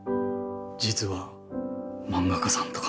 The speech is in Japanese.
実は漫画家さんとか？